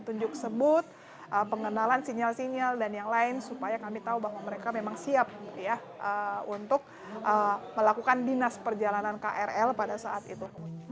tunjuk sebut pengenalan sinyal sinyal dan yang lain supaya kami tahu bahwa mereka memang siap untuk melakukan dinas perjalanan krl pada saat itu